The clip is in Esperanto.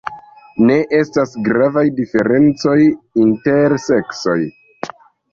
Ne estas gravaj diferencoj inter seksoj.